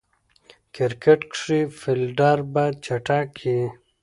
کرکټ کښي فېلډر باید چټک يي.